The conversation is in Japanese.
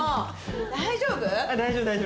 大丈夫？